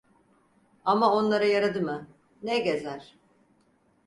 Ama onlara yaradı mı? Ne gezer!